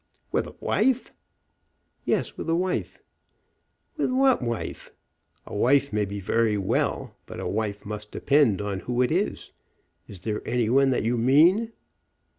"With a wife?" "Yes; with a wife." "With what wife? A wife may be very well, but a wife must depend on who it is. Is there any one that you mean?"